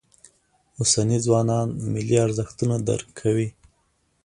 اوسني ځوانان ملي ارزښتونه درک کوي.